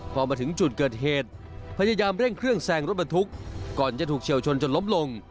พอมาถึงจุดเกิดเหตุพยายามเร่งเครื่องแซงรถบรรทุกก่อนจะถูกเฉียวชนจนล้มลง